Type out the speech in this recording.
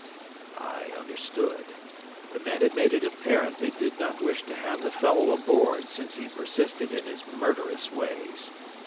I understood. The men had made it apparent they did not wish to have the fellow aboard since he persisted in his murderous ways.